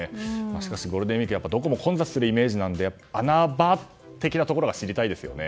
しかし、ゴールデンウィークどこも混雑するイメージがあるので穴場的なところが知りたいですよね。